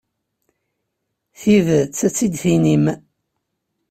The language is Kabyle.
Tidet, ad tt-id-tinim.